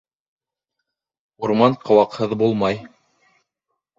Урман ҡыуаҡһыҙ булмай.